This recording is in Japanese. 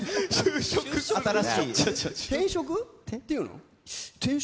転職っていうの？